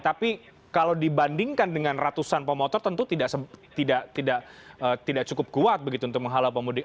tapi kalau dibandingkan dengan ratusan pemotor tentu tidak cukup kuat begitu untuk menghalau pemudik